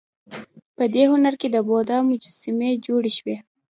په دې هنر کې د بودا مجسمې جوړې شوې